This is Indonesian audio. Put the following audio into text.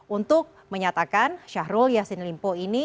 untuk menyatakan syahrul yassin limpo ini